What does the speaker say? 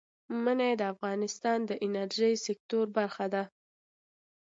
منی د افغانستان د انرژۍ سکتور برخه ده.